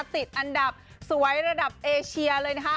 ติดอันดับสวยระดับเอเชียเลยนะคะ